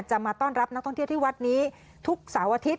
มาต้อนรับนักท่องเที่ยวที่วัดนี้ทุกเสาร์อาทิตย